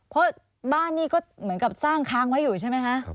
เพราะบ้านนี่ก็เหมือนกับสร้างค้างไว้อยู่ใช่ไหมคะ